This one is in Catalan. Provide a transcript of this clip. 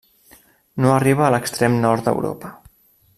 No arriba a l'extrem nord d'Europa.